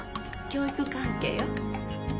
教育関係よ。